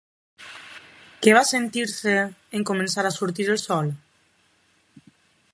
Què va sentir-se en començar a sortir el sol?